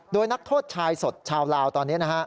โดยนักโทษชายสดชาวลาวตอนนี้นะฮะ